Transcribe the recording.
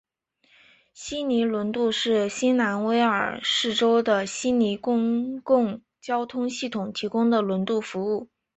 悉尼轮渡是新南威尔士州的悉尼公共交通系统提供的轮渡服务。